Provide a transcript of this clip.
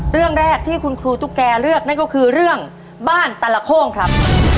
เรื่องแรกที่คุณครูตุ๊กแกเลือกนั่นก็คือเรื่องบ้านตลโค้งครับ